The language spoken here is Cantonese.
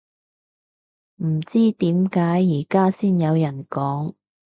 唔知點解而家先有人講